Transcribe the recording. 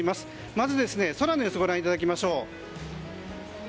まず空の様子をご覧いただきましょう。